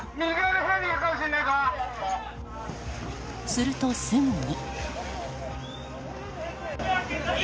すると、すぐに。